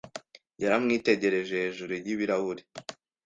Yaramwitegereje hejuru y'ibirahure.